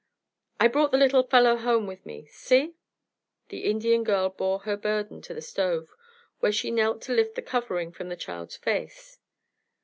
"I brought the little fellow home with me. See!" The Indian girl bore her burden to the stove, where she knelt to lift the covering from the child's face.